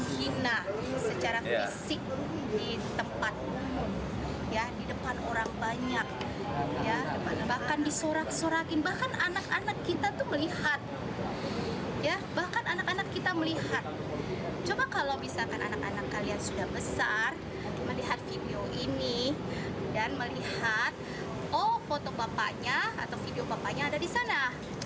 video bapaknya atau video bapaknya ada di sana